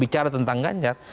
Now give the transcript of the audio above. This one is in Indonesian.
bicara tentang ganjar